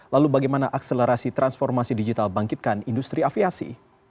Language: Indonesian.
lalu bagaimana akselerasi transformasi digital bangkitkan industri aviasi